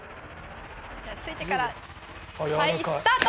じゃあついてからはいスタート！